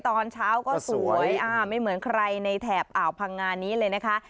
ตอนเช้าก็สวยไม่เหมือนใครในแถบอ่าวพังงานนี้เลยนะคะ